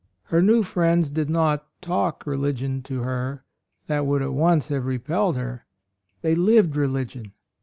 Her new friends did not talk religion to her — that would at once have repelled her, — they lived religion.